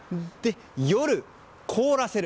夜、凍らせる。